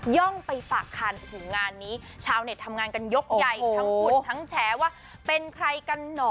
่องไปฝากคันโอ้โหงานนี้ชาวเน็ตทำงานกันยกใหญ่ทั้งคนทั้งแฉว่าเป็นใครกันเหรอ